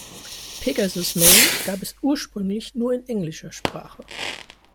Pegasus Mail gab es ursprünglich nur in englischer Sprache.